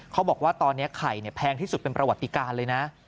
เขาบอกว่าตอนนี้ไข่แพงที่สุดเป็นประวัติการเลยนะ